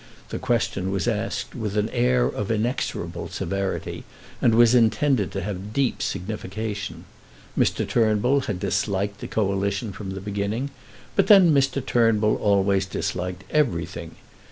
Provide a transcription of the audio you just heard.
The question was asked with an air of inexorable severity, and was intended to have deep signification. Mr. Turnbull had disliked the Coalition from the beginning; but then Mr. Turnbull always disliked everything.